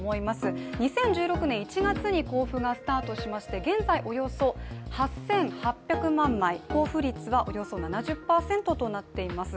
２０１６年１月に交付がスタートしまして、現在およそ８８００万枚交付率はおよそ７０％となっています。